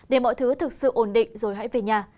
để mọi thứ thực sự ổn định rồi hãy về nhà